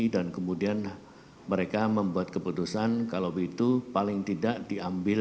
dan kemudian mereka membuat keputusan kalau begitu paling tidak diambil